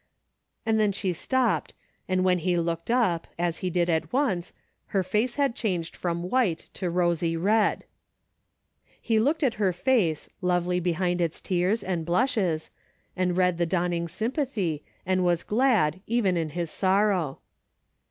— and then she stopped, and when he looked up, as he did at once, her face had changed from white to rosy red. He looked at her face, lovely behind its A DAILY BATE. 331 tears and blushes, and read the dawning sym pathy, and was glad, even in his sorrow.